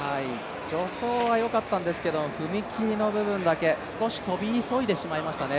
助走はよかったんですけど踏み切りの部分だけ少し跳び急いでしまいましたね。